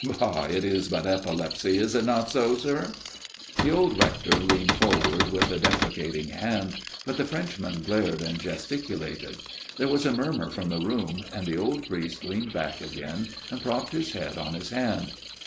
Bah ! it is but epilepsy, is it not so, sir ?" The old Rector leaned forward with a depre cating hand, but the Frenchman glared and gesticulated ; there was a murmur from the room, and the old priest leaned back again and propped his head on his hand.